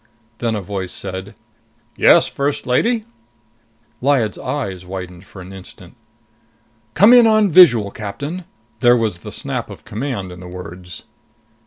Then a voice said, "Yes, First Lady?" Lyad's eyes widened for an instant. "Come in on visual, Captain!" There was the snap of command in the words.